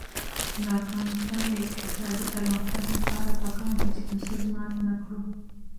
د افغانستان د اقتصادي پرمختګ لپاره پکار ده چې اصول مات نکړو.